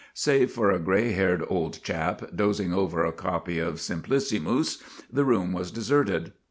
Save for a gray haired old chap dozing over a copy of Simplicissimus, the room was deserted.